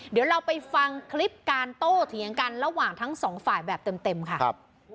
เดี๋ยวเราไปฟังคลิปการโต้เถียงกันระหว่างทั้งสองฝ่ายแบบเต็มค่ะ